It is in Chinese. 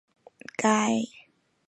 该寺是明朝正统年间敕建。